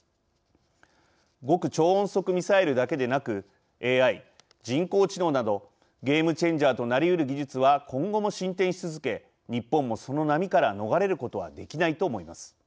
極超音速ミサイルだけでなくＡＩ＝人工知能などゲーム・チェンジャーとなりうる技術は今後も進展し続け日本もその波から逃れることはできないと思います。